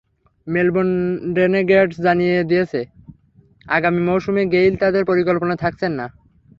Melbourne Renegades জানিয়ে দিয়েছে, আগামী মৌসুমে গেইল তাদের পরিকল্পনায় থাকছেন না।